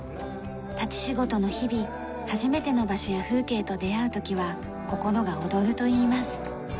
立ち仕事の日々初めての場所や風景と出会う時は心が躍るといいます。